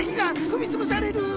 ふみつぶされる！